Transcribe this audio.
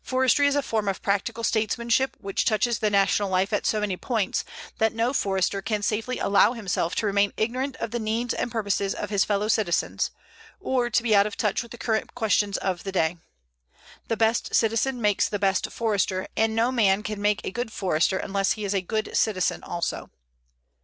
Forestry is a form of practical statesmanship which touches the national life at so many points that no Forester can safely allow himself to remain ignorant of the needs and purposes of his fellow citizens, or to be out of touch with the current questions of the day. The best citizen makes the best Forester, and no man can make a good Forester unless he is a good citizen also.